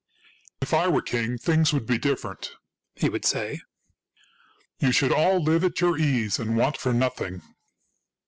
'" If I were king, things would be different," he would say. " You should all live at your ease, and want for nothing."